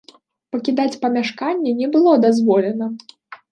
Пакідаць памяшканне не было дазволена.